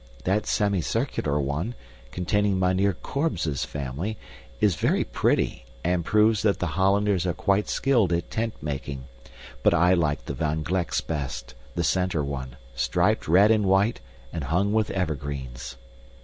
That semicircular one, containing Mynheer Korbes's family, is very pretty and proves that the Hollanders are quite skilled at tentmaking, but I like the Van Glecks' best the center one striped red and white and hung with evergreens.